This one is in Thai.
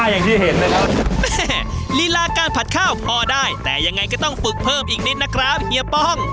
ฮ่าลีล่าการผัดข้าวพอได้แต่ยังไงก็ต้องฝึกเพิ่มอีกนิดนะครับเฮียป้อง